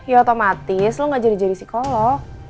ya otomatis lo gak jadi jadi psikolog